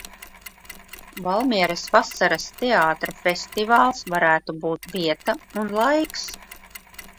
Valmieras vasaras teātra festivāls varētu būt vieta un laiks.